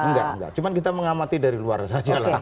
enggak enggak cuma kita mengamati dari luar saja lah